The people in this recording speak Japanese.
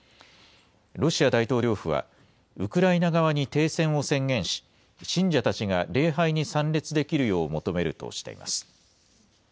ロシア大統領府は、ウクライナ側に停戦を宣言し、信者たちが礼拝に参列できるよう求めるとしています。